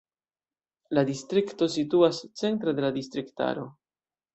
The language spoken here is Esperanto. La distrikto situas centre de la distriktaro.